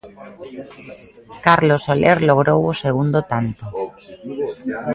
Carlos Soler logrou o segundo tanto.